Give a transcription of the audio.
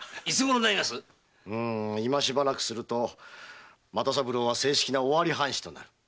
今しばらくすると又三郎は正式な尾張藩士となる。